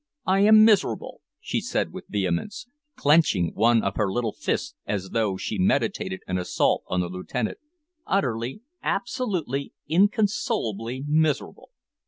"I am miserable," she said with vehemence, clenching one of her little fists as though she meditated an assault on the lieutenant "utterly, absolutely, inconsolably miserable."